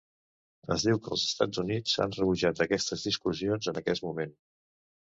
Es diu que els Estats Units han rebutjat aquestes discussions, en aquest moment.